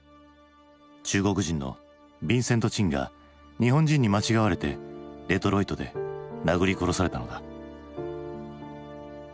中国人のビンセント・チンが日本人に間違われてデトロイトで殴り殺されたのだ。